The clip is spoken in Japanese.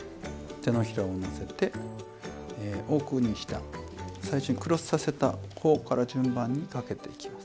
手のひらをのせて奥にした最初にクロスさせた方から順番にかけていきます。